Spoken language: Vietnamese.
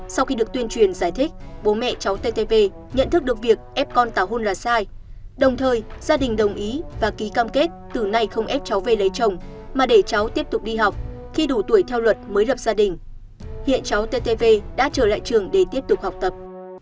sau khi được tuyên truyền giải thích bố mẹ cháu ttv nhận thức được việc ép con tàu hôn là sai đồng thời gia đình đồng ý và ký cam kết từ nay không ép cháu về lấy chồng mà để cháu tiếp tục đi học khi đủ tuổi theo luật mới lập gia đình hiện cháu ttv đã trở lại trường để tiếp tục học tập